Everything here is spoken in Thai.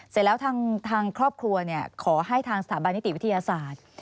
เสร็จแล้วทางครอบครัวขอให้ทางสถาบันนิติวิทยาศาสตร์